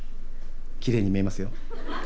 きれいに見えますよ。